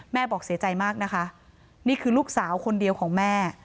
บอกเสียใจมากนะคะนี่คือลูกสาวคนเดียวของแม่